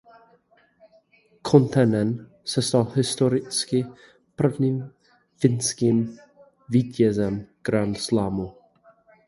Kontinen se stal historicky prvním finským vítězem grandslamu.